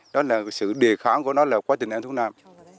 đó là sự đề kháng của nó là quá trình ăn thuốc nam